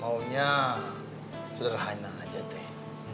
maunya sederhana aja teh